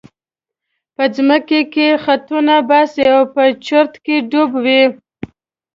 په ځمکه خطونه باسي او په چورت کې ډوب دی.